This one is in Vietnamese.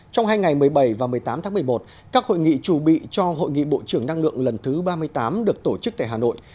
trong hai ngày một mươi bảy và một mươi tám tháng một mươi một các hội nghị trù bị cho hội nghị bộ trưởng năng lượng lần thứ ba mươi tám được tổ chức tại hà nội